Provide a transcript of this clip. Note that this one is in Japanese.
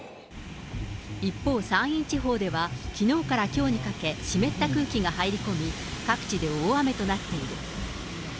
一方、山陰地方ではきのうからきょうにかけ、湿った空気が入り込み、各地で大雨となっている。